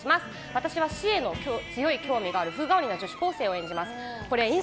私は、死への強い興味がある風変わりな女子高生を演じます。